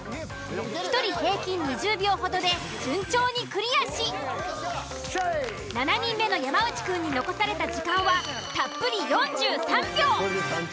１人平均２０秒ほどで順調にクリアし７人目の山内くんに残された時間はたっぷり４３秒。